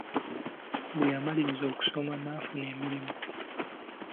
Bwe yamaliriza okusoma, n’afuna emirimu.